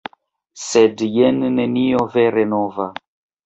Sed jen nenio vere nova.